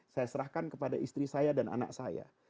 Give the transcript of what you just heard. saya serahkan kepada istri saya dan anak saya